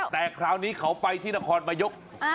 แต่คราวนี้เขาไปที่นครนายก